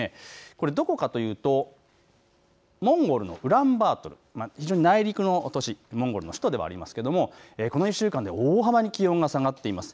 これ、どこかというと、モンゴルのウランバートル内陸の都市、モンゴルの首都でもありますけれどもこの１週間で大幅に気温が下がっています。